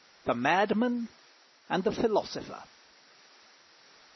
THE MADMAN AND THE PHILOSOPHER.